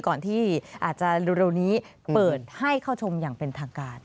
ก่อนที่อาจจะเร็วนี้เปิดให้เข้าชมอย่างเป็นทางการ